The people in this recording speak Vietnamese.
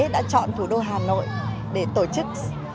đã chọn thủ đô hà nội để tổ chức